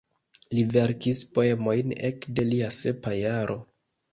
Li verkis poemojn ekde lia sepa jaro.